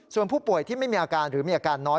ส่วนผู้ป่วยที่ไม่มีอาการหรือมีอาการน้อย